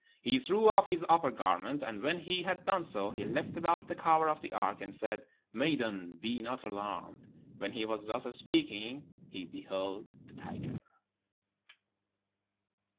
He threw off his upper garment. And when he had done so, he lifted off the cover of the ark, and said, 'Maiden, be not alarmed!' When he was thus speaking, he beheld the tiger.